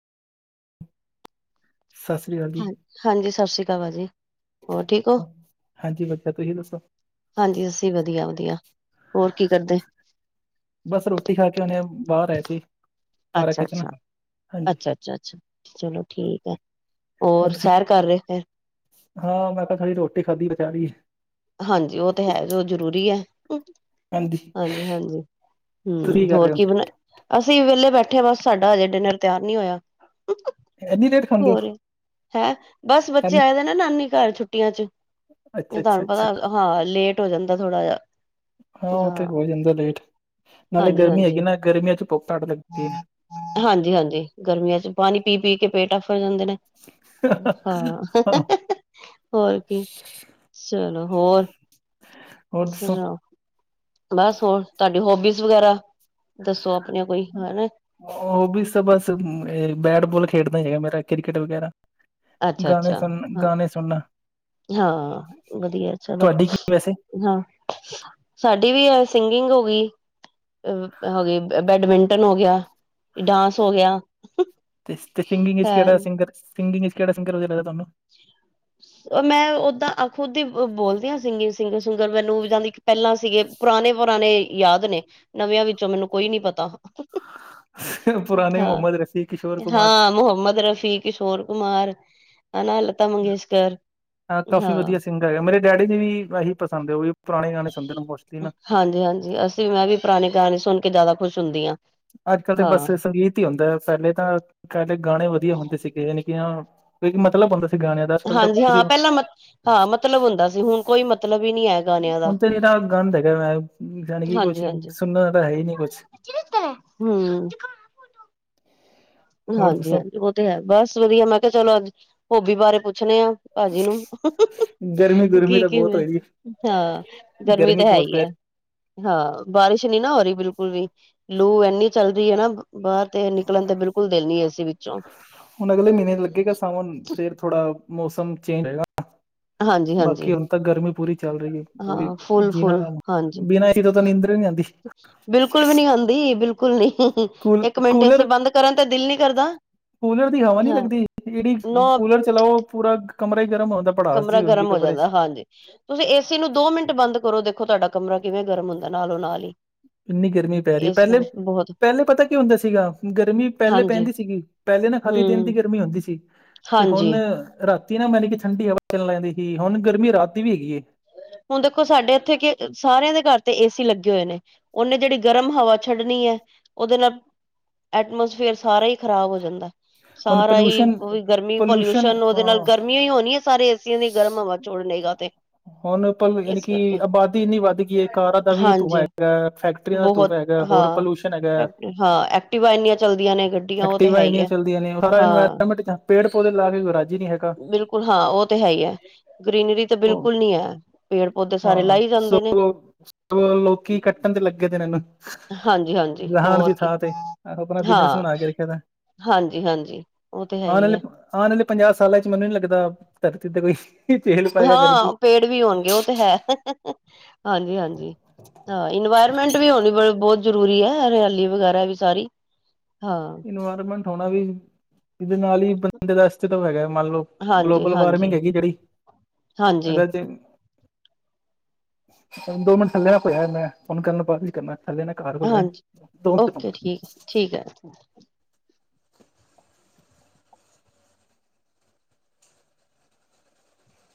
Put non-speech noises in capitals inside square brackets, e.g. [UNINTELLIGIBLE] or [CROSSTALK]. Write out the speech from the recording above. ਸਤਿ ਸ਼੍ਰੀ ਅਕਾਲ ਹਾਂ ਜੀ। ਹਾਂਜੀ ਸਤਿ ਸ਼੍ਰੀ ਅਕਾਲ ਜੀ ਹਾਂਜੀ ਵਧੀਆ ਤੁਸੀਂ ਦੱਸੋ ਹਾਂਜੀ ਅਸੀਂ ਵਧੀਆ ਵਧੀਆ ਹੋਰ ਕੀ ਕਰਦੇ ਬਸ ਰੋਟੀ ਖਾ ਕੇ ਉਹਨੇ ਬਾਹਰ ਆਏ ਸੀ। ਪਾਰਕ ਅੱਛਾ ਵਿੱਚ ਨਾ ਅੱਛਾ ਹਾਂਜੀ ਅੱਛਾ ਅੱਛਾ। ਅੱਛਾ ਅੱਛਾ ਚਲੋ ਠੀਕ ਹੈ ਹੋਰ ਸੈਰ ਕਰ ਰਹੇ ਫਿਰ ਹਾਂ ਮੈਂ ਤਾਂ ਖਾਲੀ ਰੋਟੀ ਖਾਦੀ ਵਿਚਾਰੀ ਹਾਂਜੀ ਉਹ ਤੇ ਹੈ ਜੋ ਜ਼ਰੂਰੀ ਹੈ। ਹਾਂਜੀ ਹਾਂਜੀ ਹੂ ਤੁਸੀਂ ਕਰ ਹੋਰ ਰਹੇ ਹੋ ਕੀ ਬਣਾ ਅਸੀਂ ਵਿਹਲੇ ਬੈਠੇ ਬਸ ਸਾਡਾ ਹਜੇ ਡਿਨਰ ਤਿਆਰ ਨਹੀਂ ਹੋਇਆ ਇੰਨੀ ਲੇਟ ਖਾਂਦੇ ਹੋ ਹੋਰ ਹੈ ਬਸ ਬੱਚੇ ਇੰਨੀ ਆਏ ਦੇ ਨਾ ਨਾਨੀ ਘਰ ਛੁੱਟੀਆਂ ਚ ਅੱਛਾ- ਇਹ ਤੁਹਾਨੂੰ ਅੱਛਾ। ਪਤਾ ਹਾਂ ਲੇਟ ਹੋ ਜਾਂਦਾ ਥੋੜਾ ਜਹਾ ਹਾਂ ਉਹ ਤੇ ਹੋ ਜਾਂਦਾ ਲੇਟ ਨਾਲੇ ਹਾਂਜੀ ਗਰਮੀ ਹਾਂਜੀ ਹੈਗੀ ਨਾ ਗਰਮੀਆਂ ਚ ਭੁੱਖ ਘੱਟ ਲੱਗਦੀ ਹੈ। ਹਾਂਜੀ ਹਾਂਜੀ ਗਰਮੀਆਂ ਚ ਪਾਣੀ ਪੀ ਪੀ ਕੇ ਪੇਟ ਅਫਰ ਜਾਂਦੇ ਨੇ ਹਾਂ ਹੋਰ ਕੀ ਚਲੋ ਹੋਰ ਹੋਰ ਦੱਸੋ ਸੁਣਾਓ ਬਸ ਹੋਰ ਤੁਹਾਡੀ ਹੋਬੀਸ ਵਗੈਰਾ ਦੱਸੋ ਆਪਣੀਆਂ ਕੋਈ ਹਨਾ ਹੋਬੀਸ ਬਸ ਬੈਟਬਾਲ ਖੇਡਣਾ ਹੀ ਹੈਗਾ ਮੇਰਾ ਕ੍ਰਿਕਟ ਵਗੈਰਾ ਅੱਛਾ ਗਾਣੇ ਅੱਛਾ ਸੁਣ ਹਾਂ ਗਾਣੇ ਸੁਣਨਾ ਹਾਂ ਵਧੀਆ ਚਲੋ ਤੁਹਾਡੀ ਕੀ ਵੈਸੇ ਹਾਂ ਸਾਡੀ ਵੀ ਹੈ ਸਿੰਗਿੰਗ ਹੋ ਗਈ ਬੈਡਮਿੰਟਨ ਹੋ ਗਿਆ ਡਾਂਸ ਹੋ ਗਿਆ। ਤੇ ਸਿੰਗਿੰਗ ਵਿਚ ਹੈ ਕਿਹੜਾ ਸਿੰਗਰ ਸਿੰਗਿੰਗ ਚ ਕਿਹੜਾ ਸਿੰਗਰ ਵਧੀਆ ਲੱਗਦਾ ਤੁਹਾਨੂੰ ਮੈਂ ਉਦਾਂ ਖੁਦ ਹੀ ਬੋਲਦੀ ਹਾਂ ਸਿੰਗਰ ਸੁੰਗਰ ਮੈਨੂੰ ਜਾਂਦੀ ਪਹਿਲਾਂ ਸੀਗੇ ਪੁਰਾਣੇ ਪੁਰਾਣੇ ਯਾਦ ਨੇ ਨਵਿਆਂ ਵਿੱਚੋਂ ਮੈਨੂੰ ਕੋਈ ਨੀ ਪਤਾ ਪੁਰਾਣੇ ਹਾਂ ਮੁਹੰਮਦ ਰਫੀ, ਕਿਸ਼ੋਰ ਕੁਮਾਰ ਹਾਂ ਮੁਹੰਮਦ ਰਫੀ ਕਿਸ਼ੋਰ ਕੁਮਾਰ ਹਨਾ ਲਤਾ ਮੰਗੇਸ਼ਕਰ ਹਾਂ ਕਾਫੀ ਵਧੀਆ ਸਿੰਗਰ ਹੈ ਮੇਰੇ ਡੈਡੀ ਜੀ ਵੀ ਇਹੀ ਪਸੰਦ ਹੈ ਉਹ ਵੀ ਪੁਰਾਣੇ ਗਾਣੇ ਸੁਣਦੇ ਨੇ ਮੋਸਟਲੀ ਨਾ ਹਾਂਜੀ ਹਾਂਜੀ ਅਸੀਂ ਮੈਂ ਵੀ ਪੁਰਾਣੇ ਗਾਣੇ ਸੁਣ ਕੇ ਜ਼ਿਆਦਾ ਖੁਸ਼ ਹੁੰਦੀ ਹਾਂ ਅੱਜ ਕੱਲ ਤੇ ਬੱਸ ਹਾਂ, ਸੰਗੀਤ ਹੁੰਦਾ ਪਹਿਲੇ ਤਾਂ ਕਦੇ ਗਾਣੇ ਵਧੀਆ ਹੁੰਦੇ ਸੀਗੇ ਯਾਨ ਕਿ ਕਿਉਂਕਿ ਮਤਲਬ ਹੁੰਦਾ। ਗਾਣਿਆਂ ਦਾ ਅੱਜ ਕੱਲ ਹਾਂਜੀ ਹਾਂ ਪਹਿਲਾਂ ਮ ਹਾਂ [UNINTELLIGIBLE] ਮਤਲਬ ਹੁੰਦਾ ਸੀ ਹੁਣ ਕੋਈ ਮਤਲਬ ਹੀ ਨਹੀਂ ਹੈ ਗਾਣਿਆਂ ਦਾ ਹੁਣ ਤੇ ਨਰਾ ਗੰਦਾ ਹੈਗਾ ਹੈ। ਨੀਂਦ ਚੜ ਗਈ ਕੁਛ ਸੁਣਨਾ ਤਾਂ ਹੈ ਹੀ ਨੀ ਕੁਛ [UNINTELLIGIBLE] ਹੂ,,, ਹੋਰ ਹਾਂਜੀ ਦੱਸੋ ਹਾਂਜੀ ਉਹ ਤੇ ਹੈ ਬਸ ਵਧੀਆ ਮੈਂ ਕਿਹਾ ਚਲੋ ਅੱਜ ਹੋਬੀ ਬਾਰੇ ਪੁੱਛਣੇ ਆ ਭਾਜੀ ਨੂੰ ਗਰਮੀ ਗੁਰਮੀ ਦੀ ਤਾਂ ਬਹੁਤ ਕੀਵੇ? ਹੋਈ ਹਾਂ ਗਰਮੀ ਤਾਂ ਹੈ ਬਹੁਤ ਪੈ ਹੀਆ। ਰਹੀ। ਹਾਂ, ਬਾਰਿਸ਼ ਨੀ ਨਾ ਹੋ ਰਹੀ ਬਿਲਕੁਲ ਵੀ ਲੂ ਇੰਨੀ ਚੱਲ ਰਹੀ ਹੈ ਨਾ ਬਾਹਰ। ਤੇ ਨਿਕਲਣ ਤੇ ਬਿਲਕੁਲ ਦਿਲ ਨੀ ਅਸੀ ਵਿੱਚੋਂ ਹੁਣ ਅਗਲੇ ਮਹੀਨੇ ਲੱਗੇਗਾ ਸਾਵਨ, ਫੇਰ ਥੋੜਾ ਮੌਸਮ ਚੇਂਜ ਹੋਗਾ। ਹਾਂਜੀ-ਹਾਂਜੀ ਬਾਕੀ ਹੁਣ ਤੱਕ ਗਰਮੀ ਪੂਰੀ ਚੱਲ ਰਹੀ ਹੈ ਪੂਰੀ ਹਾਂ ਜੀਨਾ ਫੁੱਲ-ਫੁੱਲ ਹਰਾਮ ਹਾਂਜੀ। ਬਿਨਾਂ ਏਸੀ ਤੋਂ ਤਾਂ ਨੀਂਦਰ ਨੀ ਆਦੀ। ਬਿਲਕੁਲ ਵੀ ਨੀ ਆਉਂਦੀ ਬਿਲਕੁਲ ਨੀ ਕੂਲ ਇੱਕ ਮਿੰਟ ਅਸੀਂ ਕੂਲਰ ਬੰਦ ਕਰਨ ਤੇ ਦਿਲ ਨੀ ਕਰਦਾ। ਕੂਲਰ ਦੀ ਹਵਾ ਨੀ ਹਾਂ ਲੱਗਦੀ ਜਿਹੜੀ ਨੋ ਕੂਲਰ ਚਲਾਓ ਪੂਰਾ ਕਮਰਾ ਹੀ ਗਰਮ ਹੁੰਦਾ। ਭੜਾਸ ਕਮਰਾ ਜੀ ਗਰਮ ਹੁੰਦੀ ਹੋ ਕਮਰੇ ਜਾਂਦਾ 'ਚ ਹਾਂਜੀ। ਤੁਸੀਂ ਏਸੀ ਨੂੰ ਦੋ ਮਿੰਟ ਬੰਦ ਕਰੋ ਦੇਖੋ ਤੁਹਾਡਾ ਕਮਰਾ ਕਿਵੇਂ ਗਰਮ ਹੁੰਦਾ ਨਾਲੋਂ ਨਾਲ ਹੀ। ਇੰਨੀ ਗਰਮੀ ਪੈ ਰਹੀ ਇਸ ਪਹਿਲੇ ਬਹੁਤ ਪਹਿਲੇ ਪਤਾ ਕੀ ਹੁੰਦਾ ਸੀਗਾ ਗਰਮੀ ਪਹਿਲੇ ਹਾਂਜੀ ਪੈਂਦੀ ਸੀਗੀ, ਪਹਿਲੇ ਨਾ ਖਾਲੀ ਦਿਨ ਹਮ ਦੀ ਗਰਮੀ ਹੁੰਦੀ ਸੀ। ਤੇ ਹੁਣ ਹਾਂਜੀ ਰਾਤੀ ਨਾ ਮਾਣੀ ਕਿ ਠੰਡੀ ਹਵਾ ਚਣ ਲੈਂਗਦੀ ਸੀ ਹੁਣ ਗਰਮੀ ਰਾਤ ਦੀ ਵੀ ਹੈਗੀ ਏ। ਹੁਣ ਦੇਖੋ ਸਾਡੇ ਇੱਥੇ ਕਿ ਸਾਰਿਆਂ ਦੇ ਘਰ ਤੇ ਏਸੀ ਲੱਗੇ ਹੋਏ ਨੇ। ਉਹਨੇ ਜਿਹੜੀ ਗਰਮ ਹਵਾ ਛੱਡਣੀ ਹੈ ਉਹਦੇ ਨਾਲ ਐਟਮੋਸਫੇਅਰ ਸਾਰਾ ਹੀ ਖਰਾਬ ਹੋ ਜਾਂਦਾ। ਹੁਣ ਸਾਰਾ ਹੀ ਪੋਲਿਊਸ਼ਨ ਉਹ ਵੀ ਗਰਮੀ ਪੋਲਿਊਸ਼ਨ ਉਹਦੇ ਨਾਲ ਗਰਮੀਆਂ ਹੀ ਹੋਣੀ ਹੈ ਸਾਰੇ ਏਸੀਆਂ ਦੀ ਗਰਮ ਹਵਾ ਚੁੜਨੇਗਾ ਤੇ ਹੁਣ ਯਾਨੀ ਇਸ ਕਿ ਕਰਕੇ ਆਬਾਦੀ ਇੰਨੀ ਵੱਧ ਗਈ ਹੈ ਕਾਰਾਂ ਦਾ ਵੀ ਧੂ ਹਾਂਜੀ ਹੈਗਾ, ਫੈਕਟਰੀਆਂ ਦਾ ਬਹੁਤ ਧੂੰਹ ਹੈਗਾ, ਹੋਰ ਹਾਂ ਪੋਲਿਊਸ਼ਨ ਹੈਗਾ ਹਾਂ, ਐਕਟੀਵਾ ਇੰਨੀਆਂ ਚੱਲਦੀਆਂ ਨੇ ਗੱਡੀਆਂ ਉਹ ਤੇ ਐਕਟਿਵਾ ਹੈਹੀ ਇੰਨੀਆਂ ਹੈ। ਚੱਲਦੀਆਂ ਨੇ ਸਾਰਾ ਹਾਂ ਇਨਵਾਇਰਮੈਂਟ ਜਾਂ ਪੇੜ-ਪੌਦੇ ਲਾ ਕੇ ਕੋਈ ਰਾਜੀ ਨਹੀਂ ਹੈਗੇ। ਬਿਲਕੁਲ ਹਾਂ, ਉਹ ਤੇ ਹੈ ਹੀ ਹੈ ਗਰੀਨਰੀ ਤਾਂ ਉਹ ਬਿਲਕੁਲ ਨਹੀਂ ਹੈ। ਪੇੜ ਪੌਦੇ ਸਾਰੇ ਹਾਂ, ਲਾਈ ਜਾਂਦੇ ਨੇ ਸੋਗੋ ਲੋਕੀ ਕੱਟਣ ਤੇ ਲੱਗੇ ਤੇ ਇਹ ਨੂੰ। ਹਾਂਜੀ ਹਾਂਜੀ ਰਹਾਨ ਹੋਰ ਦੀ ਕੀ ਥਾਂ ਤੇ ਆਹ ਆਪਣਾ ਬਿਜਨਸ ਬਣਾ ਕੇ ਰੱਖਿਆ ਦਾ। ਹਾਂਜੀ-ਹਾਂਜੀ, ਓ ਤੇ ਹੈ ਈ। ਨਾਲੇ, ਹਾਂ ਨਾਲੇ ਪੰਜਾਹ ਸਾਲਾਂ ਚ ਮੈਨੂੰ ਨੀ ਲੱਗਦਾ ਧਰਤੀ ਤੇ ਕੋਈ ਚੇਲ ਪਾਏਗਾ ਗਰਮੀ ਹਾਂ, ਪੇੜ ਵੀ ਹੋਣਗੇ, ਓਤੇ ਹੈ। ਹਾਂਜੀ-ਹਾਂਜੀ, ਹਾਂ ਇਨਵਾਇਰਮੈਂਟ ਵੀ ਹੋਣੀ ਬ ਬਹੁਤ ਜ਼ਰੂਰੀ ਹੈ ਹਰਿਆਲੀ ਵਗੈਰਾ ਵੀ ਸਾਰੀ, ਹਾਂ। ਇਨਵਾਇਰਮੈਂਟ ਹੋਣਾ ਵੀ, ਇਦੇ ਨਾਲ ਹੀ ਬੰਦੇ ਦਾ ਅਸਤਿਤਵ ਹੈਗਾ, ਮੰਨ ਲੋ ਹਾਂਜੀ ਗਲੋਬਲ ਵਾਰਮਿੰਗ ਹਾਂਜੀ ਹੈਗੀ ਏ ਜਿਹੜੀ ਹਾਂਜੀ ਅਗਰ ਤੇ ਦੋ ਮਿੰਟ ਥੱਲੇ ਆ ਕੋਈ ਹੈ ਮੈਂ ਤੁਹਾਨੂੰ ਕਰਨਾ ਬਾਦ ਚ ਕਰਨਾ, ਥੱਲੇ ਨਾ ਘਰ ਹੋ ਜਾਏ ਹਾਂਜੀ, ਮਿੰਟ ਓਕੇ ਠੀਕ-ਠੀਕ ਹੈ।